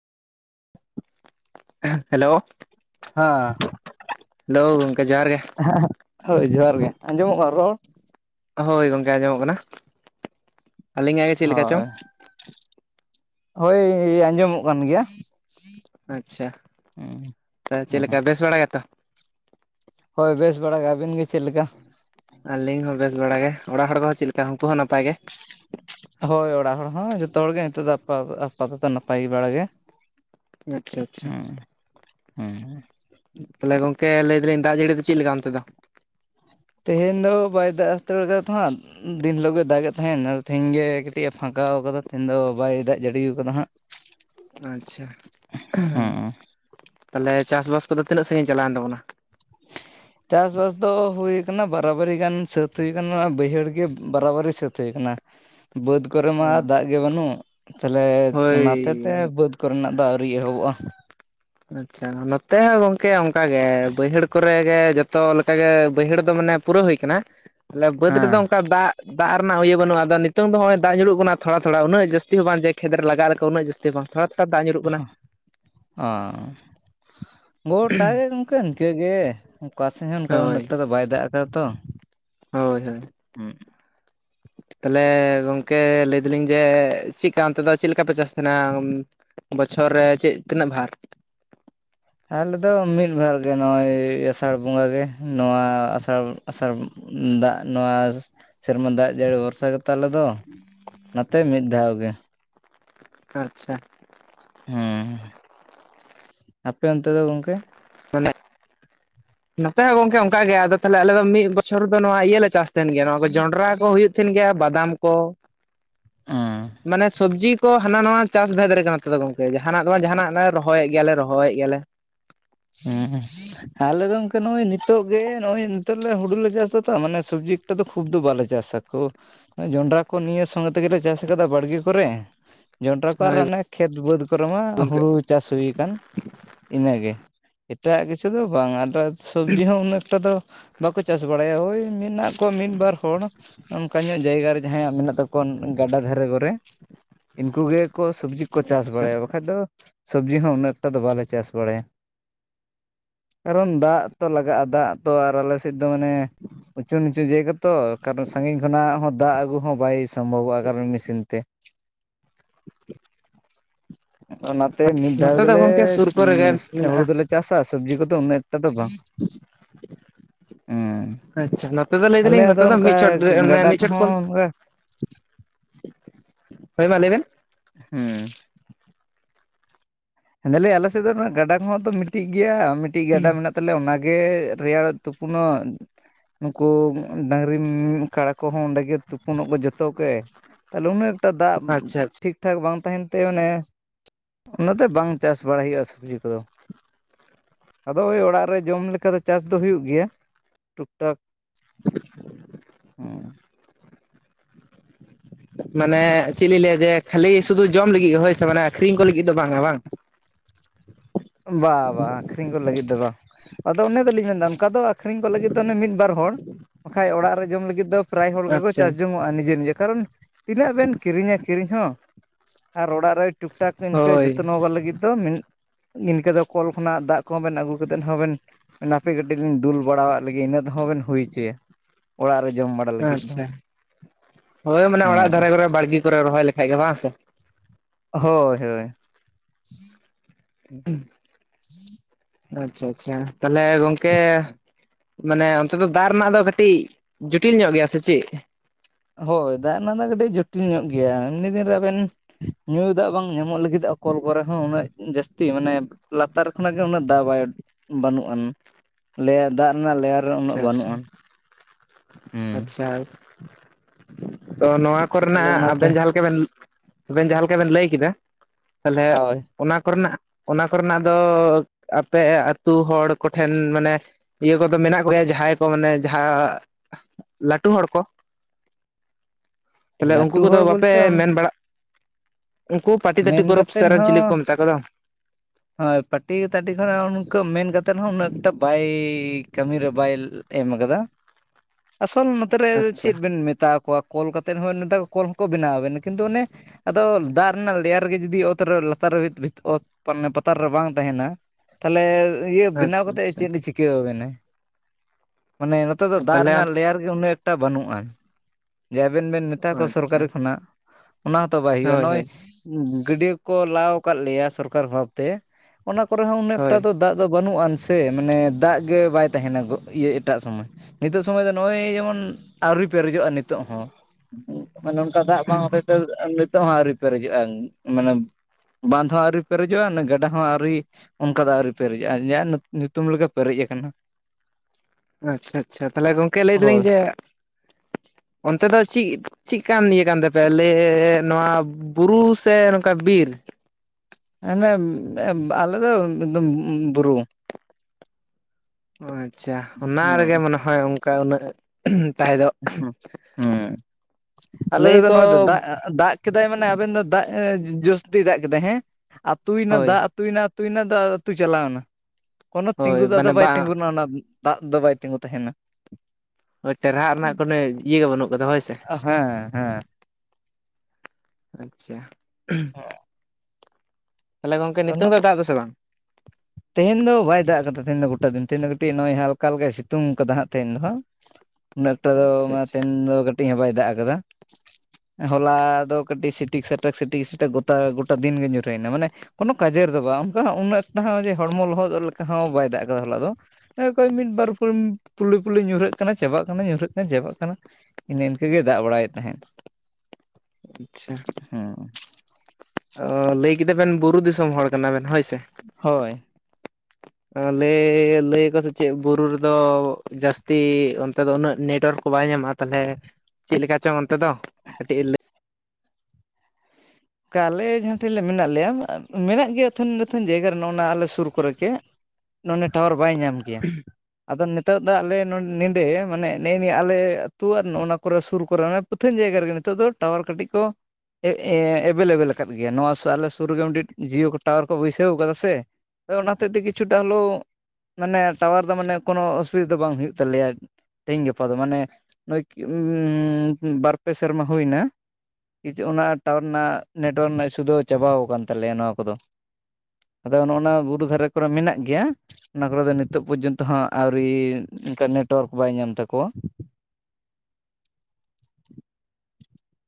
Hello ᱦᱟᱸ hello ᱜᱚᱝᱠᱮ ᱡᱚᱦᱟᱨ ᱜᱮ ᱮᱦᱮᱜ ᱮᱦᱮᱜ ᱦᱳᱭ ᱡᱚᱦᱟᱨ ᱜᱮ ᱟᱸᱡᱚᱢᱚᱜ ᱠᱟᱱᱟ ᱨᱚᱲ ᱦᱳᱭ ᱜᱚᱝᱠᱮ ᱟᱸᱡᱚᱢᱚᱜ ᱠᱟᱱᱟ ᱟᱹᱞᱤᱧᱟᱜ ᱜᱮ ᱪᱮᱫ ᱞᱮᱠᱟ ᱪᱚᱝ ᱦᱳᱭ ᱦᱳᱭ ᱟᱸᱡᱚᱢᱚᱜ ᱠᱟᱱ ᱜᱮᱭᱟ ᱟᱪᱪᱷᱟ ᱛᱟᱦᱞᱮ ᱪᱮᱫ ᱞᱮᱠᱟ ᱵᱮᱥ ᱵᱟᱲᱟ ᱜᱮᱛᱚ ᱦᱳᱭ ᱵᱮᱥ ᱵᱟᱲᱟ ᱜᱮ ᱟᱹᱵᱤᱱ ᱜᱮ ᱪᱮᱫ ᱞᱮᱠᱟ ᱟᱞᱤᱝ ᱦᱚᱸ ᱵᱮᱥ ᱵᱟᱲᱟ ᱜᱮ ᱚᱲᱟᱜ ᱦᱚᱲ ᱠᱚᱦᱚᱸ ᱪᱮᱫ ᱞᱮᱠᱟ ᱩᱱᱠᱩ ᱦᱚᱸ ᱱᱟᱯᱟᱭ ᱜᱮ ᱦᱳᱭ ᱚᱲᱟᱜ ᱦᱚᱲ ᱦᱚᱸ ᱡᱷᱚᱛᱚ ᱦᱚᱲᱜᱮ ᱱᱤᱛᱚᱜ ᱫᱚ ᱟᱯᱟᱛᱚᱛᱚ ᱱᱟᱯᱟᱭ ᱜᱮ ᱵᱟᱲᱟ ᱜᱮ ᱟᱪᱪᱷᱟ ᱟᱪᱪᱷᱟ ᱦᱩᱸ ᱦᱩᱸ ᱛᱟᱦᱚᱞᱮ ᱜᱚᱝᱠᱮ ᱞᱟᱹᱭ ᱫᱟᱞᱤᱧ ᱫᱟᱜ ᱡᱟᱹᱲᱤ ᱫᱚ ᱪᱮᱫ ᱞᱮᱠᱟ ᱚᱱᱛᱮ ᱫᱚ ᱛᱮᱦᱮᱧ ᱫᱚ ᱵᱟᱭ ᱫᱟᱜ ᱦᱟᱛᱟᱲ ᱠᱟᱫᱟ ᱛᱚ ᱦᱟᱸᱜ ᱫᱤᱱ ᱦᱤᱞᱳᱜ ᱜᱮ ᱫᱟᱜ ᱮᱫ ᱛᱟᱦᱮᱱ ᱛᱮᱦᱤᱧ ᱜᱮ ᱠᱟᱹᱴᱤᱡᱼ ᱮ ᱯᱷᱟᱸᱠᱟᱣ ᱠᱟᱫᱟ ᱛᱮᱦᱮᱧ ᱫᱚ ᱵᱟᱭ ᱫᱟᱜ ᱡᱟᱹᱲᱤᱠᱟᱫᱟ ᱦᱟᱸᱜ [inaudible] ᱟᱪᱪᱷᱟ ᱦᱮᱸ ᱛᱟᱦᱚᱞᱮ ᱪᱟᱥᱵᱟᱥ ᱠᱚᱫᱚ ᱛᱤᱱᱟᱹᱜ ᱥᱟᱺᱜᱤᱧ ᱪᱟᱞᱟᱣᱮᱱ ᱛᱟᱵᱚᱱᱟ [inaudible] ᱪᱟᱥᱵᱟᱥ ᱫᱚ ᱦᱩᱭ ᱠᱟᱱᱟ ᱵᱟᱨᱟᱵᱟᱨᱤ ᱜᱟᱱ ᱥᱟᱹᱛ ᱦᱩᱭ ᱠᱟᱱᱟ ᱵᱟᱹᱭᱦᱟᱹᱲ ᱜᱮ ᱵᱟᱨᱟᱵᱟᱨᱤ ᱥᱟᱹᱛ ᱦᱩᱭ ᱠᱟᱱᱟ ᱵᱟᱹᱫᱽ ᱠᱚᱨᱮ ᱢᱟ ᱫᱟᱜ ᱜᱮ ᱵᱟᱹᱱᱩᱜ ᱛᱟᱞᱦᱮ ᱦᱳᱭ ᱚᱱᱟᱛᱮ ᱛᱮ ᱵᱟᱹᱫᱽ ᱠᱚᱨᱮᱱᱟᱜ ᱫᱚ ᱟᱹᱣᱨᱤ ᱮᱦᱚᱵᱚᱜᱼᱟ ᱟᱪᱪᱷᱟ ᱱᱚᱛᱮ ᱜᱚᱝᱠᱮ ᱚᱝᱠᱟᱜᱮ ᱵᱟᱹᱭᱦᱟᱹᱲ ᱠᱚᱨᱮ ᱜᱮ ᱡᱚᱼᱼ ᱛᱚ ᱞᱮᱠᱟᱜᱮ ᱵᱟᱹᱭᱦᱟᱹᱲ ᱫᱚ ᱢᱟᱱᱮ ᱯᱩᱨᱟᱹᱣ ᱦᱩᱭ ᱠᱟᱱᱟ ᱵᱚᱞᱮ ᱵᱟᱹᱫᱽ ᱨᱮᱫᱚ ᱦᱮᱸ ᱚᱝᱠᱟ ᱫᱟᱜᱼᱼ ᱫᱟᱜ ᱨᱮᱱᱟᱜ ᱤᱭᱟᱹ ᱵᱟᱹᱱᱩᱜ ᱟᱫᱚ ᱱᱤᱛᱚᱝ ᱫᱚ ᱱᱚᱜᱼᱚᱭ ᱫᱟᱜ ᱧᱩᱨᱩᱜ ᱠᱟᱱᱟ ᱛᱷᱚᱲᱟ ᱛᱷᱚᱲᱟ ᱩᱱᱟᱹᱜ ᱡᱟᱹᱛᱤ ᱦᱚ ᱵᱟᱝ ᱡᱮ ᱠᱷᱮᱛᱨᱮ ᱞᱟᱜᱟᱜ ᱞᱮᱠᱟ ᱩᱱᱟᱹᱜ ᱡᱟᱹᱥᱛᱤᱼᱼ ᱛᱤ ᱵᱟᱝ ᱛᱷᱚᱲᱟ ᱛᱷᱚᱲᱟ ᱫᱟᱜ ᱧᱩᱨᱩᱜ ᱠᱟᱱᱟ ᱚᱸ ᱜᱚᱴᱟ ᱜᱮ ᱜᱚᱝᱠᱮ ᱤᱱᱠᱟᱹᱜᱮ ᱚᱠᱟᱥᱮᱫ ᱦᱚᱸ ᱚᱱᱠᱟ ᱫᱚ ᱩᱱᱟᱹᱜ ᱦᱳᱭ ᱮᱠᱴᱟ ᱫᱚ ᱵᱟᱭ ᱫᱟᱜ ᱠᱟᱫᱟ ᱛᱚ ᱦᱳᱭ ᱦᱳᱭ ᱦᱩᱸ ᱛᱟᱞᱦᱮ ᱜᱚᱝᱠᱮ ᱞᱟᱹᱭ ᱫᱟᱹᱞᱤᱧ ᱡᱮ ᱪᱮᱫᱠᱟ ᱚᱱᱛᱮ ᱫᱚ ᱪᱮᱞ ᱞᱮᱠᱟᱯᱮ ᱪᱟᱥ ᱛᱟᱸᱦᱮᱱᱟ ᱩᱸᱼᱼ ᱵᱚᱪᱷᱚᱨ ᱨᱮ ᱪᱮᱫ ᱛᱤᱱᱟᱹᱜ ᱵᱷᱟᱨ ᱟᱞᱮᱫᱚ ᱢᱤᱫ ᱵᱟᱨ ᱜᱮ ᱱᱚᱜᱼᱚᱭ ᱟᱥᱟᱲ ᱵᱚᱸᱜᱟ ᱜᱮ ᱱᱚᱣᱟ ᱟᱥᱟᱲᱼᱼ ᱟᱥᱟᱲ ᱩᱸ ᱫᱟᱜ ᱱᱚᱣᱟ ᱥᱮᱨᱢᱟ ᱫᱟᱜ ᱡᱟᱹᱲᱤ ᱵᱷᱚᱨᱥᱟ ᱜᱮᱛᱚ ᱟᱞᱮ ᱫᱚ ᱱᱚᱛᱮ ᱢᱤᱫ ᱫᱷᱟᱣ ᱜᱮ ᱟᱪᱪᱷᱟ ᱦᱩᱸ ᱟᱯᱮ ᱚᱱᱛᱮ ᱫᱚ ᱜᱚᱝᱠᱮ? [unintelligible] ᱱᱚᱛᱮ ᱦᱚᱸ ᱜᱚᱝᱠᱮ ᱚᱝᱠᱟ ᱜᱮ ᱟᱫᱚ ᱛᱟᱞᱦᱮ ᱟᱞᱮ ᱫᱚ ᱢᱤᱫ ᱵᱚᱪᱷᱚᱨ ᱫᱚ ᱱᱚᱣᱟ ᱤᱭᱟᱹ ᱞᱮ ᱪᱟᱥᱼᱼ ᱛᱟᱦᱮᱱ ᱜᱮᱭᱟ ᱱᱚᱣᱟ ᱠᱚ ᱡᱚᱱᱰᱽᱨᱟ ᱠᱚ ᱦᱩᱭᱩᱜ ᱛᱟᱦᱮᱱ ᱜᱮᱭᱟ ᱵᱟᱫᱟᱢ ᱠᱚ ᱦᱩᱸ ᱢᱟᱱᱮ ᱥᱚᱵᱽᱡᱤᱼᱼ ᱠᱚ ᱦᱟᱱᱟ ᱱᱟᱣᱟ ᱪᱟᱥ ᱵᱷᱮᱫᱽ ᱨᱮᱜᱮ ᱱᱚᱛᱮ ᱫᱚ ᱜᱚᱝᱠᱮ ᱡᱟᱦᱟᱱᱟᱜ ᱫᱚ ᱡᱟᱦᱟᱱᱟᱜ ᱞᱮ ᱨᱚᱦᱚᱭᱮᱫ ᱜᱮᱭᱟᱞᱮ ᱨᱚᱦᱚᱭᱮᱫ ᱜᱮᱭᱟᱞᱮ ᱦᱩᱸ ᱟᱞᱮ ᱫᱚ ᱜᱚᱝᱠᱮ ᱱᱚᱜᱼᱚᱭ ᱱᱤᱛᱼᱼ ᱱᱤᱛᱚᱜ ᱜᱮ ᱱᱚᱜᱼᱚᱭ ᱱᱤᱛᱚᱜ ᱞᱮ ᱦᱩᱲᱩᱞᱮ ᱪᱟᱥ ᱫᱟ ᱛᱚ ᱢᱟᱱᱮ ᱥᱚᱵᱽᱡᱤ ᱮᱠᱴᱟ ᱫᱚ ᱠᱷᱩᱵ ᱫᱚ ᱵᱟᱞᱮ ᱪᱟᱥᱟ ᱠᱚᱼᱼ ᱡᱚᱸᱱᱰᱽᱨᱟ ᱠᱚ ᱱᱤᱭᱟᱹ ᱥᱚᱸᱜᱮ ᱛᱮᱜᱮᱞᱮ ᱪᱟᱥ ᱠᱟᱫᱟ ᱵᱟᱲᱜᱮ ᱠᱚᱨᱮ ᱡᱚᱱᱰᱽᱨᱟ ᱠᱚ ᱟᱨ ᱦᱳᱭ ᱚᱱᱮ ᱠᱷᱮᱛ ᱵᱟᱹᱫᱽ ᱠᱚᱨᱮ ᱢᱟ ᱜᱚᱝᱠᱮ ᱦᱩᱲᱩ ᱪᱟᱥ ᱦᱩᱭᱟᱠᱟᱱ ᱤᱱᱟᱹᱜᱮ ᱮᱴᱟᱜ ᱠᱤᱪᱷᱩ ᱫᱚ ᱵᱟᱝ ᱟᱫᱚ ᱥᱚᱵᱽᱡᱤ ᱦᱚᱸ ᱩᱱᱟᱹᱜ ᱮᱠᱴᱟ ᱫᱚᱼᱼ ᱵᱟᱠᱚ ᱪᱟᱥ ᱵᱟᱲᱟᱭᱟ ᱳᱭ ᱢᱮᱱᱟᱜ ᱠᱚᱣᱟ ᱢᱤᱫ ᱵᱟᱨ ᱦᱚᱲ ᱚᱱᱠᱟ ᱧᱚᱜ ᱡᱟᱭᱜᱟ ᱨᱮ ᱡᱟᱦᱟᱸᱭᱟᱜ ᱢᱮᱱᱟᱜ ᱛᱟᱠᱚᱣᱟ ᱜᱟᱰᱟ ᱫᱷᱟᱨᱮ ᱠᱚᱨᱮ ᱤᱱᱠᱩ ᱜᱮᱼᱼ ᱠᱚ ᱥᱚᱵᱽᱡᱤ ᱠᱚ ᱪᱟᱥ ᱵᱟᱲᱟᱭᱟ ᱵᱟᱠᱷᱟᱡ ᱫᱚ ᱥᱚᱵᱽᱡᱤ ᱦᱚᱸ ᱩᱱᱟᱹᱜ ᱮᱠᱴᱟ ᱫᱚ ᱵᱟᱞᱮ ᱪᱟᱥ ᱵᱟᱲᱟᱭᱟ ᱠᱟᱨᱚᱱ ᱫᱟᱜ ᱛᱚ ᱞᱟᱜᱟᱜᱼᱟ, ᱫᱟᱜ ᱛᱚ ᱟᱨ ᱟᱞᱮ ᱥᱮᱼᱼ ᱥᱮᱫ ᱫᱚ ᱢᱟᱱᱮ ᱩᱪᱩ ᱱᱤᱪᱩ ᱡᱟᱭᱜᱟ ᱛᱚ, ᱠᱟᱨᱚᱱ ᱥᱟᱸᱜᱤᱧ ᱠᱷᱚᱱᱟᱜ ᱦᱚᱸ ᱫᱟᱜ ᱟᱹᱜᱩ ᱦᱚᱸ ᱵᱟᱭᱼᱼ ᱥᱚᱢᱵᱷᱚᱵᱚᱜᱼᱟ ᱠᱟᱨᱚᱱ ᱢᱮᱥᱤᱱ ᱛᱮ, ᱟᱫ ᱚᱱᱟᱛᱮ, ᱢᱤᱫ ᱫᱷᱟᱣ ᱱᱚᱛᱮ ᱫᱚ ᱜᱮᱞᱮᱼᱼ ᱜᱚᱝᱠᱮ ᱥᱩᱨ ᱠᱚᱨᱮ ᱜᱮ ᱢᱮᱱᱟᱜᱼᱟ ᱪᱟᱥᱟ ᱥᱚᱵᱽᱡᱤ ᱠᱚᱫᱚ ᱩᱱᱟᱹᱜ ᱮᱠᱴᱟ ᱫᱚ ᱵᱟᱝ᱾ ᱦᱩᱸ ᱟᱪᱪᱷᱟ, ᱱᱚᱛᱮ ᱫᱚ ᱞᱟᱹᱭ ᱟᱞᱮ ᱫᱟᱞᱤᱧ ᱟᱫᱚ ᱱᱚᱛᱮ ᱫᱚ ᱚᱱᱠᱟ ᱢᱤᱫ ᱪᱚᱴ ᱨᱮ ᱱᱮ ᱜᱟᱰᱟ ᱢᱤᱫ ᱪᱚᱴ ᱠᱷᱚᱱᱼᱼ ᱠᱚᱦᱚᱸ ᱚᱱᱠᱟ ᱦᱳᱭ, ᱢᱟ ᱞᱟᱹᱭᱵᱮᱱ᱾ ᱦᱩᱸ ᱦᱮᱸᱫᱟᱞᱤ ᱟᱞᱮ ᱥᱮᱫ ᱫᱚ ᱱᱚᱜᱼᱚᱭ ᱜᱟᱰᱟ ᱠᱚᱦᱚᱸ ᱛᱚ ᱢᱤᱫᱴᱤᱡ ᱜᱮᱭᱟ, ᱢᱤᱫᱴᱤᱡ ᱜᱟᱰᱟ ᱢᱮᱱᱟᱜ ᱛᱟᱞᱮᱭᱟ ᱚᱱᱟᱜᱮ ᱨᱮᱭᱟᱲᱼᱼ ᱛᱩᱯᱩᱱᱚᱼᱼ ᱱᱩᱠᱩ ᱰᱟᱝᱨᱤ ᱮᱸ ᱠᱟᱲᱟ ᱠᱚᱦᱚᱸ ᱚᱸᱰᱮᱜᱮ ᱛᱩᱯᱩᱱᱚᱜ ᱠᱚ ᱡᱚᱛᱚᱜᱮ᱾ ᱛᱟᱦᱞᱮ ᱩᱱᱟᱹᱜ ᱮᱠᱴᱟ ᱫᱟᱜ ᱟᱪᱪᱷᱟ ᱟᱪᱪᱷᱟ ᱴᱷᱤᱠᱴᱷᱟᱠ ᱵᱟᱝ ᱛᱟᱦᱮᱱ ᱛᱮ ᱢᱟᱱᱮ ᱩᱱᱟᱹᱼᱼ ᱛᱮ ᱵᱟᱝ ᱪᱟᱥ ᱵᱟᱲᱟᱭ ᱦᱩᱭᱩᱜᱼᱟ ᱥᱚᱵᱽᱡᱤ ᱠᱚᱫᱚ᱾ ᱟᱫᱚ ᱦᱳᱭ, ᱚᱲᱟᱜ ᱨᱮ ᱡᱚᱢ ᱞᱮᱠᱟ ᱫᱚ ᱪᱟᱥ ᱫᱚ ᱦᱩᱭᱩᱜ ᱜᱮᱭᱟ ᱴᱩᱠ ᱴᱟᱠᱼᱼ ᱦᱩᱸ ᱢᱟᱱᱮ ᱪᱮᱫ ᱞᱤᱧ ᱞᱟᱹᱭᱟ ᱡᱮ ᱠᱷᱟᱹᱞᱤ ᱥᱩᱫᱷᱩ ᱡᱚᱢ ᱞᱟᱹᱜᱤᱫ ᱜᱮ ᱦᱳᱭᱥᱮ ᱢᱟᱱᱮ ᱟᱹᱠᱷᱨᱤᱧ ᱠᱚ ᱞᱟᱹᱜᱤᱫ ᱫᱚ ᱵᱟᱝᱼᱟ ᱵᱟᱝ᱾ ᱵᱟ ᱵᱟ ᱟᱠᱷᱨᱤᱧ ᱠᱚ ᱞᱟᱹᱜᱤᱫ ᱫᱚ ᱵᱟᱝ᱾ ᱟᱫᱚ ᱚᱱᱮ ᱫᱚᱞᱤᱧ ᱢᱮᱱᱫᱟ ᱚᱱᱠᱟ ᱫᱚᱼᱼ ᱟᱹᱠᱷᱨᱤᱧ ᱠᱚ ᱞᱟᱹᱜᱤᱫ ᱫᱚ ᱚᱱᱮ ᱢᱤᱫ ᱵᱟᱨ ᱦᱚᱲ, ᱵᱟᱠᱷᱟᱡ ᱚᱲᱟᱜ ᱨᱮ ᱡᱚᱢ ᱞᱟᱹᱜᱤᱫ ᱫᱚ ᱯᱨᱟᱭ ᱦᱚᱲ ᱜᱮᱠᱚ ᱟᱪᱪᱷᱟ ᱪᱟᱥ ᱡᱚᱝᱚᱜᱼᱟ, ᱱᱤᱡᱮ ᱱᱤᱡᱮ ᱠᱟᱨᱚᱱ ᱛᱤᱱᱟᱹᱜ ᱵᱮᱱ ᱠᱤᱨᱤᱧᱟ ᱠᱤᱨᱤᱧ ᱦᱚᱸ᱾ ᱟᱨ ᱚᱲᱟᱜ ᱨᱮ ᱴᱩᱠᱴᱟᱠ ᱤᱱᱠᱟᱹ ᱦᱳᱭ ᱡᱚᱛᱱᱚᱜ ᱞᱟᱹᱜᱤᱫ ᱫᱚ ᱢᱤᱼᱼ ᱤᱱᱠᱟᱹ ᱫᱚ ᱠᱚᱞ ᱠᱷᱚᱱᱟᱜ ᱫᱟᱜ ᱠᱚᱦᱚᱸ ᱵᱮᱱ ᱟᱹᱜᱩ ᱠᱟᱛᱮᱫ ᱦᱚᱸᱵᱮᱱᱼᱼ ᱱᱟᱹᱯᱮ ᱠᱟᱹᱟᱹᱴᱤᱡ ᱞᱤᱧ ᱫᱩᱞ ᱵᱟᱲᱟᱣᱟᱜ ᱞᱮᱜᱮ ᱤᱱᱟᱹ ᱛᱮᱦᱚᱸᱵᱮᱱ ᱦᱩᱭᱪᱚᱭᱟ᱾ ᱚᱲᱟᱜ ᱨᱮ ᱡᱚᱢ ᱟᱪᱪᱷᱟ ᱦᱳᱭ ᱢᱟᱱᱮ ᱦᱮᱸ ᱚᱲᱟᱜ ᱫᱷᱟᱨᱮ ᱠᱚᱨᱮ ᱵᱟᱲᱜᱤ ᱠᱚᱨᱮ ᱨᱚᱦᱚᱭ ᱞᱮᱠᱷᱟᱭ ᱜᱮ ᱵᱟᱝ ᱥᱮ᱾ ᱦᱳᱭ ᱦᱳᱭ᱾ ᱦᱩᱸ᱾ [inaudible] ᱟᱪᱪᱷᱟ ᱟᱪᱪᱷᱟ, ᱛᱟᱦᱞᱮ ᱜᱚᱝᱠᱮ ᱢᱟᱱᱮ ᱚᱱᱛᱮ ᱫᱚ ᱫᱟᱜ ᱨᱮᱱᱟᱜ ᱫᱚ ᱠᱟᱹᱴᱤᱡ, ᱡᱚᱴᱤᱞ ᱧᱚᱜ ᱜᱮᱭᱟ ᱥᱮ ᱪᱮᱜ? ᱦᱳᱭ, ᱫᱟᱜ ᱨᱮᱱᱟᱜ ᱫᱚ ᱠᱟᱹᱴᱤᱡ ᱡᱚᱴᱤᱞ ᱧᱚᱜ ᱜᱮᱭᱟ, ᱮᱢᱱᱤ ᱫᱤᱱ ᱨᱮ ᱟᱵᱮᱱ ᱧᱩ ᱫᱟᱜ ᱵᱟᱝ ᱧᱟᱢᱚᱜ ᱞᱟᱹᱜᱤᱫᱼᱟ ᱠᱚᱞ ᱠᱚᱨᱮ ᱦᱚᱸ ᱩᱱᱟᱹᱜ ᱡᱟᱹᱥᱛᱤ ᱢᱟᱱᱮ ᱞᱟᱛᱟᱨ ᱠᱷᱚᱱᱟᱜ ᱜᱮ ᱩᱱᱟᱹᱜ ᱫᱟᱜ ᱵᱟᱭ ᱵᱟᱹᱱᱩᱜ ᱟᱱ ᱞᱮᱭᱟ ᱫᱟᱜ ᱨᱮᱱᱟᱜ ᱞᱮᱭᱟ ᱫᱟᱜ ᱩᱱᱟᱹᱜ ᱟᱪᱪᱷᱟ ᱵᱟᱹᱱᱩᱜ ᱟᱪᱪᱷᱟ ᱟᱱ᱾ ᱦᱩᱸ [inaudible] ᱛᱚ ᱱᱚᱣᱟ ᱠᱚᱨᱮ ᱛᱟᱦᱞᱮ ᱱᱟᱜ ᱚᱱᱟᱛᱮ ᱟᱵᱮᱱ ᱡᱟᱦᱟᱸ ᱞᱮᱠᱟ ᱵᱮᱱ ᱟᱵᱮᱱ ᱡᱟᱦᱟᱸ ᱞᱮᱠᱟ ᱵᱮᱱ ᱞᱟᱹᱭ ᱠᱮᱫᱟ, ᱛᱟᱦᱞᱮ ᱦᱳᱭ ᱚᱱᱟ ᱠᱚᱨᱮ ᱱᱟᱜ, ᱚᱱᱟ ᱠᱚᱨᱮ ᱱᱟᱜ ᱫᱚ ᱟᱯᱮ ᱟᱹᱛᱩ ᱦᱚᱲ ᱠᱚᱴᱷᱮᱱ ᱢᱟᱱᱮ ᱤᱭᱟᱹ ᱠᱚᱫᱚ ᱢᱮᱱᱟᱜ ᱠᱚᱜᱮᱭᱟ, ᱡᱟᱦᱟᱸᱭ ᱠᱚ ᱢᱟᱱᱮ ᱡᱟᱦᱟᱸ ᱞᱟᱹᱴᱩ ᱦᱚᱲ ᱠᱚ᱾ ᱛᱟᱦᱞᱮ ᱩᱱᱠᱩ ᱞᱟᱹᱴᱩ ᱠᱚᱫᱚ ᱦᱚᱲ ᱵᱟᱯᱮ ᱵᱚᱞᱛᱮ ᱢᱮᱱ ᱵᱟᱲᱟ ᱩᱝᱠᱩ ᱯᱟᱹᱴᱤ- ᱫᱟᱹᱴᱤ ᱢᱮᱱ ᱯᱚᱨᱚᱵ ᱥᱮ ᱠᱟᱛᱮᱫ ᱨᱮᱱ ᱪᱤᱞᱤ ᱦᱚᱸ ᱠᱚ ᱢᱮᱛᱟ ᱠᱚ ᱫᱚ [inaudible] ᱦᱳᱭ ᱯᱟᱴᱤ- ᱛᱟᱴᱤ ᱠᱷᱚᱱᱚ ᱩᱱᱠᱩ ᱢᱮᱱ ᱠᱟᱛᱮ ᱦᱚᱸ ᱩᱱᱟᱹᱜᱴᱟ ᱵᱟᱭ ᱠᱟᱹᱢᱤ ᱨᱮ ᱵᱟᱭ ᱮᱢ ᱠᱟᱫᱟ, ᱟᱥᱚᱞ ᱱᱚᱛᱮ ᱨᱮ ᱟᱪᱪᱷᱟ ᱪᱮᱫ ᱵᱮᱱ ᱢᱮᱛᱟ ᱠᱚᱣᱟ ᱠᱚᱞ ᱠᱟᱛᱮᱫ ᱦᱚᱸ ᱠᱚᱞ ᱦᱚᱸᱠᱚ ᱵᱮᱱᱟᱣᱼᱟ ᱵᱮᱱ ᱠᱤᱱᱛᱩ ᱚᱱᱮ, ᱟᱫᱚ ᱫᱟᱜ ᱞᱮᱭᱟᱨ ᱜᱮ ᱡᱩᱫᱤ ᱚᱛ ᱨᱮ ᱞᱟᱛᱟᱨ ᱨᱮ ᱚᱛ ᱢᱟᱱᱮ, ᱯᱟᱛᱟᱨ ᱨᱮ ᱵᱟᱝ ᱛᱟᱦᱮᱸᱱᱟ ᱛᱟᱞᱮ ᱤᱭᱟᱹ ᱵᱮᱱᱟᱣ ᱟᱪᱪᱷᱟ ᱠᱟᱛᱮᱜ ᱟᱪᱪᱷᱟ ᱪᱮᱫ ᱮ ᱪᱤᱠᱟᱹᱣ ᱟᱵᱮᱱᱟ, ᱢᱟᱱᱮ ᱛᱮ ᱫᱚ ᱫᱟᱜ ᱛᱟᱦᱚᱞᱮ ᱨᱮᱱᱟᱜ ᱞᱮᱭᱟᱨ ᱜᱮ ᱩᱱᱟᱹᱜ ᱮᱠᱴᱟ ᱵᱟᱹᱱᱩᱜᱼᱟ, ᱡᱮ ᱟᱵᱮᱱ ᱵᱮᱱ ᱢᱮᱛᱟ ᱠᱚᱣᱟ ᱟᱪᱪᱷᱟ ᱥᱚᱨᱠᱟᱨᱤ ᱠᱷᱚᱱᱟᱜ ᱚᱱᱟ ᱦᱚᱸᱛᱚ ᱵᱟᱭ ᱦᱩᱭᱩᱜᱼᱟ, ᱦᱳᱭ ᱱᱚᱜᱼᱚᱭ ᱦᱳᱭ ᱜᱟᱹᱰᱭᱟᱹ ᱠᱚ ᱞᱟᱣ ᱠᱟᱫ ᱞᱮᱭᱟ ᱥᱚᱨᱠᱟᱨ ᱵᱷᱟᱵᱽᱛᱮ ᱚᱱᱟ ᱠᱚᱨᱮ ᱦᱚᱸ ᱦᱳᱭ ᱩᱱᱟᱹᱜᱠᱴᱟ ᱫᱚ ᱫᱟᱜ ᱫᱚ ᱵᱟᱹᱱᱩᱜ ᱟᱱ ᱥᱮ, ᱢᱟᱱᱮ ᱫᱟᱜ ᱜᱮ ᱵᱟᱭ ᱛᱟᱦᱮᱱᱟ ᱤᱭᱟᱹ ᱮᱴᱟᱜ ᱥᱚᱢᱚᱭ᱾ ᱱᱤᱛᱚᱜ ᱥᱚᱢᱚᱭ ᱫᱚ ᱱᱚᱜᱼᱚᱭ ᱡᱮᱢᱚᱱ, ᱟᱹᱣᱨᱤ ᱯᱮᱨᱮᱡᱚᱜᱼᱟ ᱱᱤᱛᱚᱜ ᱦᱚᱸ᱾ ᱢᱟᱱᱮ ᱚᱱᱠᱟ ᱫᱟᱜ ᱵᱟᱝ ᱦᱚᱛᱮ ᱛᱮ ᱱᱤᱛᱚᱜ ᱦᱚᱸ ᱟᱨᱤ ᱯᱮᱨᱮᱡᱚᱜᱼᱟᱸ ᱢᱟᱱᱮ ᱵᱟᱸᱫ ᱦᱚᱸ ᱟᱹᱣᱨᱤ ᱯᱮᱨᱮᱡᱚᱜᱼᱟ ᱱᱟ ᱜᱟᱰᱟ ᱦᱚᱸ ᱟᱹᱣᱨᱤ ᱚᱱᱠᱟ ᱫᱚ ᱟᱹᱣᱨᱤ ᱯᱮᱨᱮᱡᱚᱜᱼᱟ ᱡᱟ ᱧᱩᱛᱩᱢ ᱞᱮᱠᱟ ᱯᱮᱨᱮᱡ ᱟᱠᱟᱱᱟ᱾ ᱟᱪᱪᱷᱟ ᱟᱪᱪᱷᱟ ᱛᱟᱦᱞᱮ ᱜᱚᱝᱠᱮ ᱞᱟᱹᱭ ᱫᱟᱞᱤᱧ ᱦᱳᱭ ᱡᱮ [inaudible] ᱚᱱᱛᱮ ᱫᱚ ᱪᱤᱜ ᱪᱤᱜᱠᱟᱱ ᱤᱭᱟᱹ ᱠᱟᱱ ᱛᱟᱯᱮᱭᱟ ᱞᱮᱻ ᱱᱚᱣᱟ ᱵᱩᱨᱩ ᱥᱮ ᱱᱚᱝᱠᱟ ᱵᱤᱨ? ᱟᱞᱮ ᱮᱢ ᱟᱞᱮ ᱫᱚ ᱮᱫᱚᱢ ᱵᱩᱨᱩ ᱟᱪᱪᱷᱟ ᱚᱱᱟ ᱨᱮᱜᱮ ᱦᱩᱸ ᱢᱟᱱᱮ ᱦᱚᱭ ᱚᱝᱠᱟ ᱩᱱᱟᱹᱜ ᱛᱟᱦᱮᱸ ᱫᱚ ᱩᱸᱪ ᱦᱩᱸ ᱟᱞᱮ ᱞᱟᱹᱭ ᱫᱚ ᱟᱠᱚ ᱱᱚᱜᱼᱚᱭ ᱫᱟᱜ ᱟ ᱫᱟᱜ ᱠᱮᱫᱟᱭ ᱢᱟᱱᱮ ᱟᱵᱮᱱ ᱫᱚ ᱫᱟᱜ ᱮᱸ ᱡᱚᱥᱛᱤᱭ ᱫᱟᱜ ᱠᱮᱫᱟᱭ ᱦᱮᱸ ᱟᱹᱛᱩᱭᱱᱟ ᱫᱟᱜ ᱦᱳᱭ ᱛᱩᱭᱱᱟ ᱛᱩᱭᱱᱟ ᱫᱚ ᱟᱛᱩ ᱪᱟᱞᱟᱣᱱᱟ, ᱠᱳᱱᱳ ᱦᱳᱭ ᱛᱤᱸᱜᱩ ᱫᱚ ᱟᱫᱚ ᱢᱟᱱᱮ ᱵᱟᱭ ᱵᱟᱝ ᱛᱤᱸᱜᱩᱱᱟ ᱚᱱᱟ ᱫᱟᱜ ᱫᱚ ᱵᱟᱭ ᱛᱤᱸᱜᱩ ᱛᱟᱦᱮᱱᱟ᱾ ᱦᱳᱭ ᱴᱮᱨᱦᱟᱜ ᱨᱮᱱᱟᱜ ᱠᱳᱱᱳ ᱤᱭᱟᱹ ᱜᱮ ᱵᱟᱹᱱᱩᱜ ᱠᱟᱫᱟ ᱦᱳᱭ ᱥᱮ᱾ ᱦᱮᱸ ᱦᱮᱸ ᱟᱪᱪᱷᱟ ᱛᱟᱦᱞᱮ ᱜᱚᱝᱠᱮ ᱱᱤᱛᱚ ᱚᱱᱟ ᱫᱚ ᱫᱟᱜᱫᱟ ᱥᱮ ᱵᱟᱝ? ᱛᱮᱦᱮᱧ ᱫᱚ ᱵᱟᱭ ᱫᱟᱜ ᱠᱟᱫᱟ ᱛᱮᱦᱤᱧ ᱫᱚ ᱜᱚᱴᱟ ᱫᱤᱱ ᱛᱮᱦᱮᱧ ᱫᱚ ᱠᱟᱹᱴᱤᱡ ᱱᱚᱜᱼᱚᱭ ᱦᱟᱞᱠᱟ ᱦᱟᱞᱠᱟ ᱥᱤᱛᱩᱝ ᱠᱟᱫᱟ ᱦᱟᱸᱜ ᱛᱮᱦᱧ ᱫᱚ ᱦᱟᱸᱜ᱾ ᱩᱱᱟᱹᱜ ᱮᱠᱴᱟ ᱫᱚ ᱟᱪᱪᱷᱟ ᱚᱱᱟ ᱟᱪᱪᱷᱟ ᱛᱮᱱ ᱫᱚ ᱠᱟᱹᱴᱤᱡ ᱦᱚᱸ ᱵᱟᱭ ᱫᱟᱜ ᱠᱟᱫᱟ᱾ ᱦᱚᱞᱟ ᱫᱚ ᱠᱟᱹᱴᱤᱡ ᱥᱤᱴᱤᱠ ᱥᱟᱹᱴᱟᱹᱠ ᱥᱤᱴᱤᱠ ᱥᱟᱹᱴᱟᱹᱠ ᱜᱚᱛᱟ ᱜᱚᱴᱟ ᱫᱤᱱ ᱜᱮ ᱧᱩᱨ ᱦᱩᱭᱱᱟ, ᱢᱟᱱᱮ ᱠᱳᱱᱳ ᱠᱟᱡᱮᱨ ᱫᱚ ᱵᱟᱝ ᱚᱝᱠᱟ ᱩᱱᱟᱹᱜ ᱮᱠᱴᱟ ᱦᱚᱸ ᱡᱮ ᱦᱚᱲᱢᱚ ᱞᱚᱦᱚᱫ ᱞᱮᱠᱟ ᱦᱚᱸ ᱵᱟᱭ ᱫᱟᱜ ᱠᱟᱫᱟ ᱦᱚᱞᱟ ᱫᱚ᱾ ᱮᱸ ᱚᱠᱚᱭ ᱢᱤᱫ ᱵᱟᱨ ᱯᱩᱢ ᱯᱩᱞᱩᱭ ᱯᱩᱞᱩᱭ ᱧᱩᱨᱦᱟᱹᱜ ᱠᱟᱱᱟ ᱪᱟᱵᱟᱜ ᱠᱟᱱᱟ ᱧᱩᱨᱦᱟᱹᱜ ᱠᱟᱱᱟ ᱪᱟᱵᱟᱜ ᱠᱟᱱᱟ᱾ ᱤᱱᱟᱹ ᱤᱱᱠᱟᱹ ᱜᱮ ᱫᱟᱜ ᱵᱟᱲᱟᱭᱮᱜ ᱛᱟᱦᱮᱸᱜ᱾ ᱟᱪᱪᱷᱟ ᱦᱮᱸ ᱚ ᱞᱟᱹᱭ ᱠᱮᱫᱟ ᱵᱮᱱ ᱵᱩᱨᱩ ᱫᱤᱥᱚᱢ ᱦᱚᱲ ᱠᱟᱱᱟ ᱵᱮᱱ ᱦᱳᱭ ᱥᱮ? ᱦᱳᱭ ᱛᱟᱦᱚᱞᱮ ᱞᱟᱹᱭᱟᱠᱚ ᱥᱮ ᱪᱮᱜ ᱵᱩᱨᱩ ᱨᱮᱫᱚ ᱡᱟᱹᱥᱛᱤ ᱚᱱᱛᱮ ᱫᱚ ᱩᱱᱟᱹᱜ ᱱᱮᱴᱣᱟᱨᱠ ᱠᱚ ᱵᱟᱭ ᱧᱟᱢᱟ? ᱛᱟᱞᱦᱮ ᱪᱮᱜ ᱞᱮᱠᱟ ᱪᱚᱝ ᱚᱱᱛᱮ ᱫᱚ ᱠᱟᱹᱴᱤᱡ ᱞᱟᱹ ᱠᱟ ᱟᱞᱮ ᱡᱟᱦᱟᱸ ᱴᱷᱮᱱ ᱞᱮ ᱢᱮᱱᱟᱜ ᱞᱮᱭᱟ ᱢᱮᱱᱟᱜ ᱜᱮᱭᱟ ᱟᱹᱛᱷᱟᱹᱱ ᱱᱟᱹᱛᱷᱟᱹᱱ ᱡᱟᱭᱜᱟ ᱨᱮ ᱱᱚᱜᱼᱚᱱᱟ ᱟᱞᱮ ᱥᱩᱨ ᱠᱚᱨᱮ ᱠᱮ ᱜᱮ᱾ ᱱᱚᱱᱮ ᱴᱟᱣᱟᱨ ᱵᱟᱭ ᱧᱟᱢ ᱜᱮᱭᱟ᱾ ᱟᱫᱚ ᱱᱤᱛᱳ ᱫᱚ ᱦᱟᱸᱜ ᱟᱞᱮ ᱱᱚ ᱱᱮᱸᱰᱮ ᱢᱟᱱᱮ ᱱᱮᱜᱼᱮ ᱱᱤᱭᱟᱹ ᱟᱞᱮ ᱟᱹᱛᱩ ᱟᱨ ᱱᱚᱜᱼᱚᱱᱟ ᱠᱚᱨᱮ ᱥᱩᱨ ᱠᱚᱨᱮ ᱩᱛᱷᱟᱹᱱ ᱡᱟᱭᱜᱟ ᱨᱮᱜᱮ ᱱᱤᱛᱚᱜ ᱫᱚ ᱴᱟᱣᱟᱨ ᱠᱟᱹᱴᱤᱡ ᱠᱚ ᱮ ᱮᱸ ᱵᱮᱞᱮᱵᱮᱞ ᱟᱠᱟᱫ ᱜᱮᱭᱟ ᱱᱚᱣᱟ ᱥᱚ ᱟᱞᱮ ᱥᱩᱨ ᱨᱮᱜᱮ ᱢᱤᱫᱴᱤᱡ ᱡᱤᱭᱳ ᱠᱚ ᱴᱟᱣᱟᱨ ᱠᱚ ᱵᱟᱹᱭᱥᱟᱹᱣ ᱠᱟᱫᱟ ᱥᱮ᱾ ᱫᱚ ᱚᱱᱟ ᱦᱚᱛᱮᱜᱮᱡ ᱛᱮ ᱠᱤᱪᱷᱩᱴᱟ ᱦᱚᱞᱳᱣ ᱢᱟᱱᱮ ᱴᱟᱣᱟᱨ ᱫᱚ ᱢᱟᱱᱮ ᱠᱳᱱᱳ ᱚᱥᱩᱵᱤᱫᱷᱟ ᱵᱟᱝ ᱦᱩᱭᱩᱜ ᱛᱟᱞᱮᱭᱟ᱾ ᱛᱮᱦᱤᱧ ᱜᱟᱯᱟ ᱫᱚ ᱢᱟᱱᱮ ᱱᱩᱭ ᱩᱢᱻ ᱵᱟᱨᱯᱮ ᱥᱮᱨᱢᱟ ᱦᱩᱭᱱᱟ᱾ ᱠᱤ ᱚᱱᱟ ᱴᱟᱣᱟᱨ ᱨᱮᱱᱟᱜ ᱱᱮᱴᱣᱟᱨ ᱱᱟᱜ ᱤᱥᱩ ᱫᱚ ᱪᱟᱵᱟᱣ ᱠᱟᱱ ᱛᱟᱞᱮᱭᱟ ᱱᱚᱣᱟ ᱠᱚᱫᱚ᱾ ᱟᱫᱚ ᱱᱚᱜᱼᱚᱱᱟ ᱵᱩᱨᱩ ᱫᱷᱟᱨᱮ ᱠᱚᱨᱮ ᱢᱮᱱᱟᱜ ᱜᱮᱭᱟ᱾ ᱚᱱᱟ ᱠᱚᱨᱮ ᱫᱚ ᱱᱤᱛᱚᱜᱜ ᱯᱚᱨᱡᱚᱱᱛᱚ ᱦᱟᱸᱜ ᱟᱹᱣᱨᱤ ᱚᱝᱠᱟ ᱱᱮᱴᱣᱟᱨᱠ ᱵᱟᱭ ᱧᱟᱢ ᱛᱟᱠᱚᱣᱟ᱾